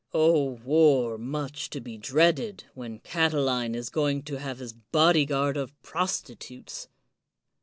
O war much to be dreaded, when Catiline is going to have his bodyguard of prostitutes